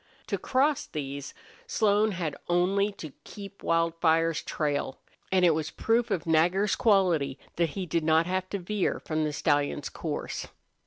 To cross these Slone had only to keep Wildfire's trail. And it was proof of Nagger's quality that he did not have to veer from the stallion's course.